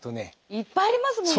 いっぱいありますもんね。